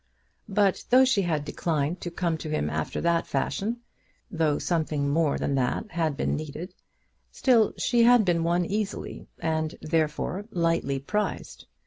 But though she had declined to come to him after that fashion, though something more than that had been needed, still she had been won easily, and, therefore, lightly prized.